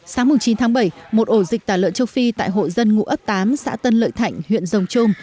sáng chín bảy một ổ dịch tà lợn châu phi tại hộ dân ngũ ất tám xã tân lợi thạnh huyện rồng chôm